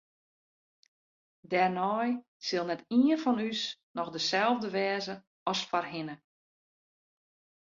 Dêrnei sil net ien fan ús noch deselde wêze as foarhinne.